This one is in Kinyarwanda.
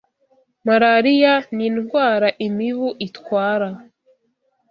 Malariya ni indwara imibu itwara.